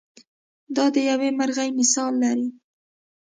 دا د یوې مرغۍ مثال لري.